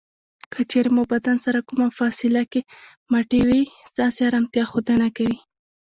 که چېرې مو بدن سره کمه فاصله کې مټې وي ستاسې ارامتیا ښودنه کوي.